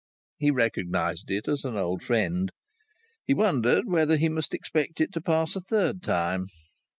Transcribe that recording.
He recognized it as an old friend. He wondered whether he must expect it to pass a third time.